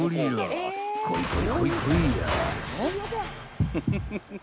［こいこいこいこいや］